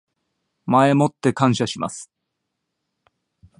前もって感謝します